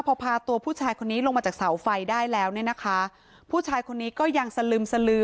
พอพาตัวผู้ชายคนนี้ลงมาจากเสาไฟได้แล้วเนี่ยนะคะผู้ชายคนนี้ก็ยังสลึมสลือ